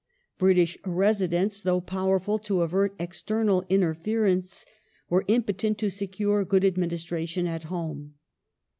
British Residents, though powerful to avert external interference, were impotent to secure good administration at home.